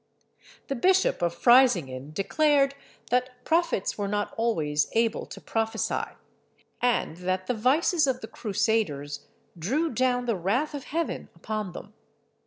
The Bishop of Freysinghen declared that prophets were not always able to prophesy, and that the vices of the Crusaders drew down the wrath of heaven upon them.